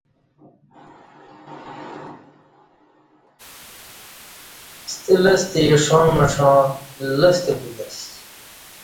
ستہ لستہ ایݜاں مشاں لستہ کولی اسہ۔